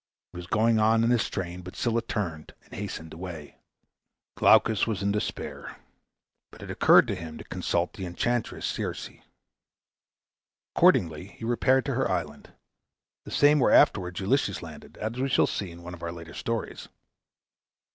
He was going on in this strain, but Scylla turned and hastened away. Glaucus was in despair, but it occurred to him to consult the enchantress Circe. Accordingly he repaired to her island the same where afterwards Ulysses landed, as we shall see in one of our later stories.